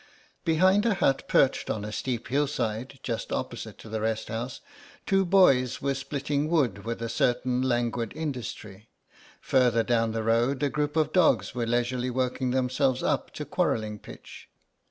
Behind a hut perched on a steep hillside, just opposite to the rest house, two boys were splitting wood with a certain languid industry; further down the road a group of dogs were leisurely working themselves up to quarrelling pitch.